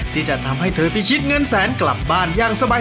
ที่จะทำให้เธอพิชิตเงินแสนกลับบ้านอย่างสบาย